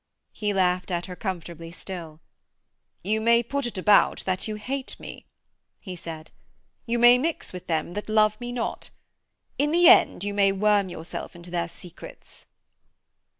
He laughed at her comfortably still. 'You may put it about that you hate me,' he said. 'You may mix with them that love me not. In the end you may worm yourself into their secrets.'